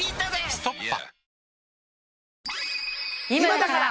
「ストッパ」